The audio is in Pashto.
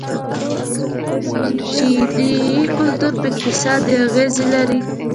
چیني کلتور په اقتصاد اغیز لري.